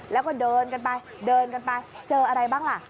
แล้วก็เดินกันไปเดินกันไปเจออะไรบ้างล่ะ